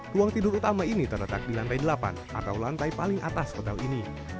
ruang tidur utama ini terletak di lantai delapan atau lantai paling atas hotel ini